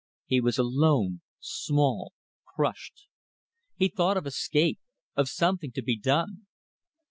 He was alone, small, crushed. He thought of escape of something to be done.